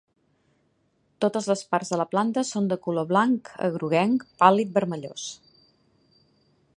Totes les parts de la planta són de color blanc a groguenc pàl·lid vermellós.